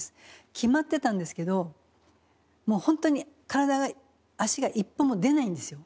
決まってたんですけどもうほんとに体が足が一歩も出ないんですよ。